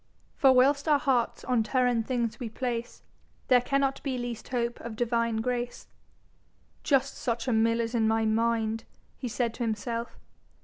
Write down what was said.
For whilst our Hearts on Terrhen things we place, There cannot be least hope of Divine grace. 'Just such a mill is my mind,' he said to himself.